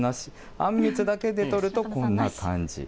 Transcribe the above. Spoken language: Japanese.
あんみつだけで撮るとこんな感じ。